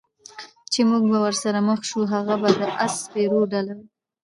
چې موږ به ورسره مخ شو، هغه به د اس سپرو ډله وي.